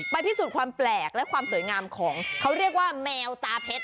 พิสูจน์ความแปลกและความสวยงามของเขาเรียกว่าแมวตาเพชร